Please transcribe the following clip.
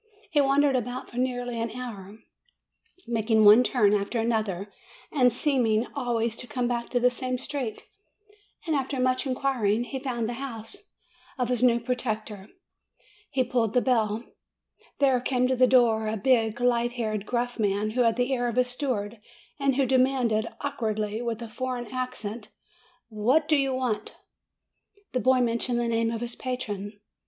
He wandered about for nearly an hour, making one turn after another, and seeming always to come back to the same street; and after much inquiring, he found the house of his new protector. He pulled FROM APENNINES TO THE ANDES 269 the bell. There came to the door a big, light haired, gruff man, who had the air of a steward, and who de manded awkwardly, with a foreign accent: "What do you want?" The boy mentioned the name of his patron.